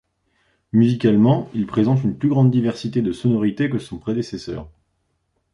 Musicalement, il présente une plus grande diversité de sonorités que son prédécesseur.